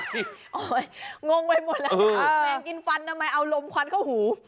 งงไปหมดแล้วตัวเองกินฟันทำไมเอาลมควันเข้าหู